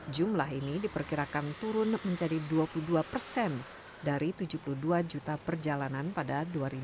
jumlah ini diperkirakan turun menjadi dua puluh dua persen dari tujuh puluh dua juta perjalanan pada dua ribu dua puluh